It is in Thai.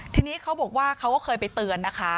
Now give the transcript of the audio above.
ทีนี้เขาบอกว่าเขาก็เคยไปเตือนนะคะ